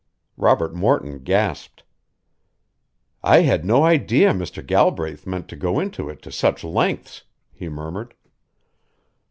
Robert Morton gasped. "I had no idea Mr. Galbraith meant to go into it to such lengths," he murmured.